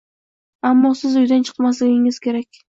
Ammo siz uydan chiqmasligingiz kerak